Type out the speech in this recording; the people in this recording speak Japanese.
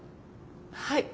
はい。